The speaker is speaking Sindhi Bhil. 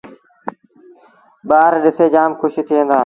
ٻآر ڏسي جآم کُش ٿئيٚݩ دآ۔